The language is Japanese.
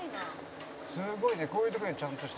「すごいねこういう時にちゃんとした」